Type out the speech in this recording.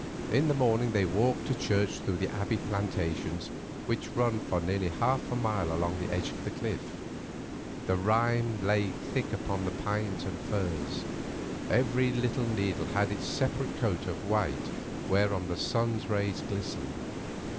In the morning they walked to church through the Abbey plantations, which run for nearly half a mile along the edge of the cliff. The rime lay thick upon the pines and firs—every little needle had its separate coat of white whereon the sun's rays glistened.